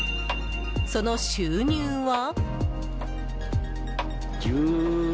その収入は？